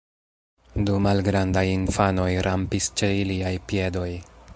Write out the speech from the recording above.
Du malgrandaj infanoj rampis ĉe iliaj piedoj.